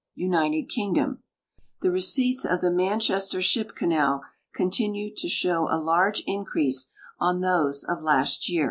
United Kingdom. The receipts of the Manchester ship canal continue to show a large increase on those of last year.